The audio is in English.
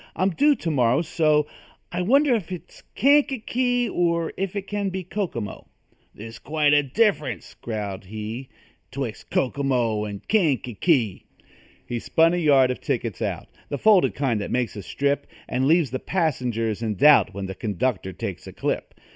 "I'm due to morrow, so I wonder if it's Kankakee Or if it can be Kokomo." "There's quite a difference," growled he, "'Twixt Kokomo and Kankakee." He spun a yard of tickets out The folded kind that makes a strip And leaves the passenger in doubt When the conductor takes a clip.